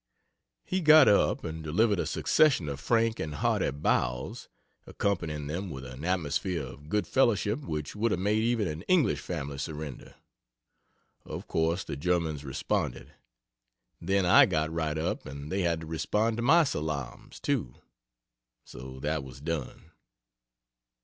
He got up and delivered a succession of frank and hearty bows, accompanying them with an atmosphere of good fellowship which would have made even an English family surrender. Of course the Germans responded then I got right up and they had to respond to my salaams, too. So "that was done."